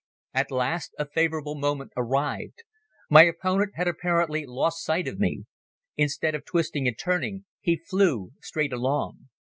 At last a favorable moment arrived. My opponent had apparently lost sight of me. Instead of twisting and turning he flew straight along.